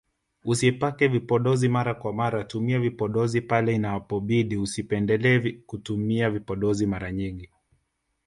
Usipake vipodozi mara kwa mara tumia vipodozi pale inapobidi usipendele kutumia vipodozi mara nyingi